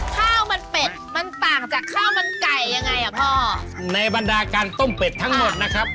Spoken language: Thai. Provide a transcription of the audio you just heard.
ข้าวมันเป็ดมันต่างจากข้าวมันไก่ยังไงอ่ะพ่อในบรรดาการต้มเป็ดทั้งหมดนะครับ